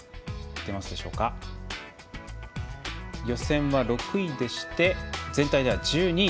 予選は６位でして全体では１２位。